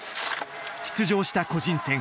出場した個人戦。